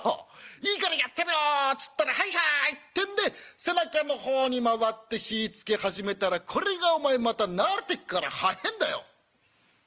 『いいからやってみろ』っつったら『はいはい』ってんで背中の方に回って火ぃつけ始めたらこれがお前また慣れてっから速えんだよ」。